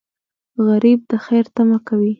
غریب د خیر تمه کوي